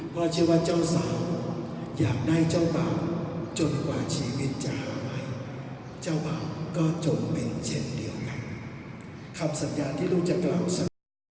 เพราะเชื่อว่าเจ้าสาวอยากได้เจ้าเปล่าจนกว่าชีวิตจะหาไว้เจ้าเปล่าก็จนเป็นเช่นเดียวกัน